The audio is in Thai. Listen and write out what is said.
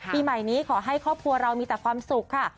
ปีใหม่นี้ขอให้ครอบครัวเรามีแต่ความสุขค่ะ